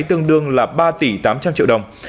tương đương là ba tỷ tám trăm linh triệu đồng